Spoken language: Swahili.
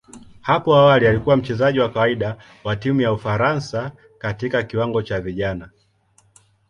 Hapo awali alikuwa mchezaji wa kawaida wa timu ya Ufaransa katika kiwango cha vijana.